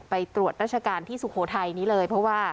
ไปตรวจรัชการที่สุโขทัย